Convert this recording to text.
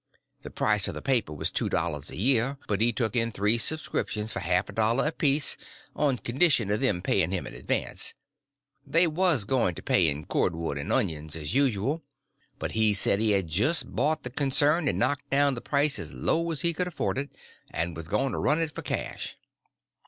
The price of the paper was two dollars a year, but he took in three subscriptions for half a dollar apiece on condition of them paying him in advance; they were going to pay in cordwood and onions as usual, but he said he had just bought the concern and knocked down the price as low as he could afford it, and was going to run it for cash.